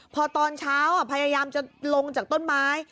พอตอนเช้าพยายามจะลงจากต้นไม้